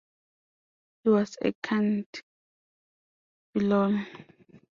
He was a cand.philol.